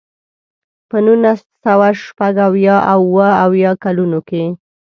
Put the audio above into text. په نولس سوه شپږ اویا او اوه اویا کلونو کې.